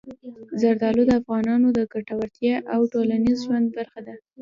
زردالو د افغانانو د ګټورتیا او ټولنیز ژوند برخه ده.